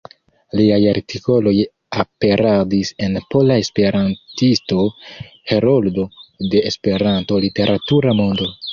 Liaj artikoloj aperadis en "Pola Esperantisto", "Heroldo de Esperanto", "Literatura Mondo".